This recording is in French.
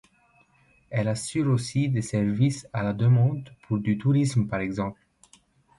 Elle assure aussi des services à la demande pour du tourisme par exemple.